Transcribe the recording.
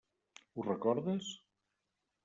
Ho recordes?